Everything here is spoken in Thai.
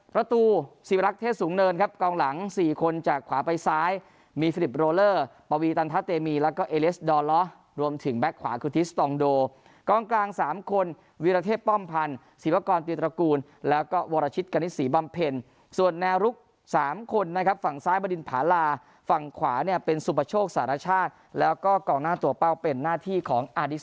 ประตูสีวรักษ์เทศสูงเนินครับกลางหลังสี่คนจากขวาไปซ้ายมีฟลิปโรลเลอร์ปวีตันทะเตมีแล้วก็เอเลสดอลล้อรวมถึงแบ็คขวาคุทิสตองโดกลางกลางสามคนวิรักเทศป้อมพันธุ์ศิพกรติวตระกูลแล้วก็วรชิตกณิตสีบำเพ็ญส่วนแนรุกสามคนนะครับฝั่งซ้ายบดินผาลาฝั่งขวาเนี่ยเป็นสุปโภ